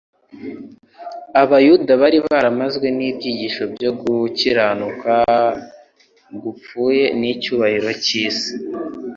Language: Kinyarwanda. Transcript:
Abayuda bari baramazwe n'ibyigisho byo gukiranuka gupfuye n'icyubahiro cy'isi.